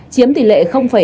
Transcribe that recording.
chiếm tỷ lệ sáu